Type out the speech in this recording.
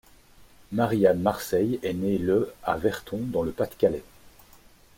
Marie-Anne Marseille est née le à Verton dans le Pas-de-Calais.